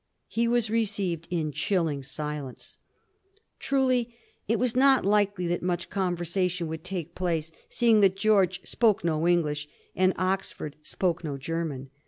He was received in chilling silence. Truly, it was not likely that much conversation would take place, see ing that George spoke no English and Oxford spoke no Grerman.